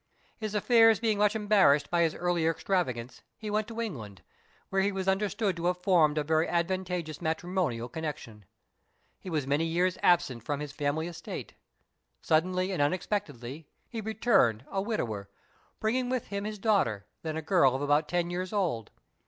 His affairs being much embarrassed by his earlier extravagance, he went to England, where he was understood to have formed a very advantageous matrimonial connexion. He was many years absent from his family estate. Suddenly and unexpectedly he returned a widower, bringing with him his daughter, then a girl of about ten years old.